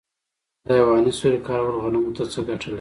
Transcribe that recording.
د حیواني سرې کارول غنمو ته څه ګټه لري؟